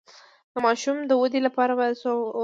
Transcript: د ماشوم د ودې لپاره باید څه ورکړم؟